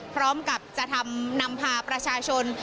พร้อมกับจะนำพาประชาชน